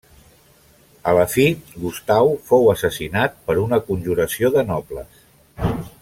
A la fi, Gustau fou assassinat per una conjuració de nobles.